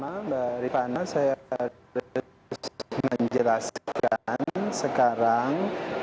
mbak rifana saya harus menjelaskan sekarang